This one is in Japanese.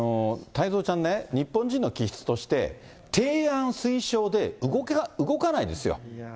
太蔵ちゃんね、日本人の気質として、提案、推奨で動かないですよ。